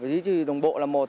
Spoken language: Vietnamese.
duy trì đường bộ là một